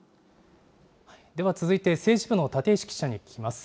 では続いて、政治部の立石記者に聞きます。